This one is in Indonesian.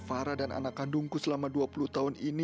farah dan anak kandungku selama dua puluh tahun ini